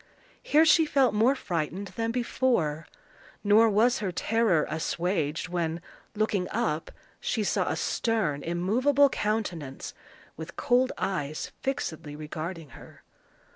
Here she felt more frightened than before; nor was her terror assuaged when, looking up, she saw a stern, immovable countenance, with cold eyes fixedly regarding her.